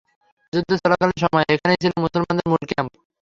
যুদ্ধচলাকালীন সময়ে এখানেই ছিল মুসলমানদের মূল ক্যাম্প।